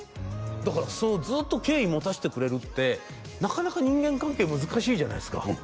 だからずっと敬意持たしてくれるってなかなか人間関係難しいじゃないですか